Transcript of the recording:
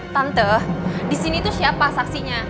tante disini tuh siapa saksinya